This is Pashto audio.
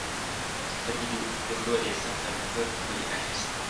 سترګې دې درلودې؛ سم کمپيوټر به دې اخيست.